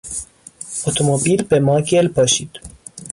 اتومبیل به ما گل پاشید.